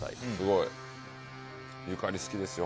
ゆかり好きですよ。